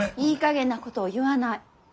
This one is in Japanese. いいかげんなことを言わない。